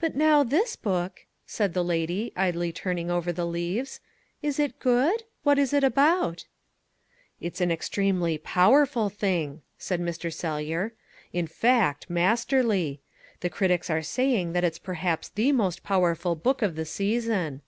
"But now, this book," said the lady, idly turning over the leaves, "is it good? What is it about?" "It's an extremely POWERFUL thing," said Mr. Sellyer, "in fact, MASTERLY. The critics are saying that it's perhaps THE most powerful book of the season.